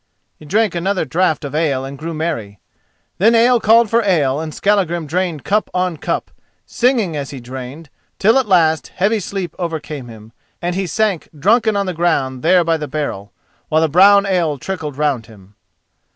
He drank another draught of ale and grew merry. Then ale called for ale, and Skallagrim drained cup on cup, singing as he drained, till at last heavy sleep overcame him, and he sank drunken on the ground there by the barrel, while the brown ale trickled round him.